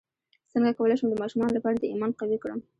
څنګه کولی شم د ماشومانو لپاره د ایمان قوي کړم